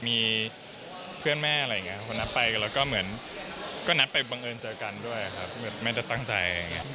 มีเพื่อนแม่อะไรอย่างนี้คนนัดไปกันแล้วก็เหมือนก็นัดไปบังเอิญเจอกันด้วยครับเหมือนแม่จะตั้งใจอะไรอย่างนี้